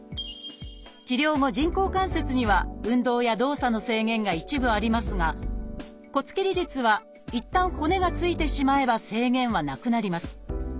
治療後人工関節には運動や動作の制限が一部ありますが骨切り術はいったん骨がついてしまえば制限はなくなります。